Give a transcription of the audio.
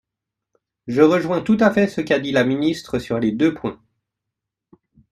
Je rejoins tout à fait ce qu’a dit la ministre sur deux points.